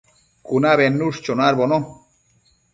cunabi bednush chonuadbono